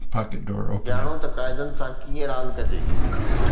ڄاڻو ته قاعدن سان ڪيئن راند ڪجي